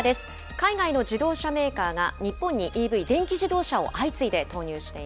海外の自動車メーカーが、日本にＥＶ・電気自動車を相次いで投入